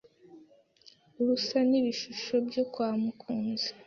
Urasa n'ibishusho byo kwa mukunzi